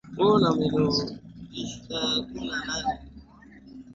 ua kwa dharura kutokana na hitilafu ya kimitambo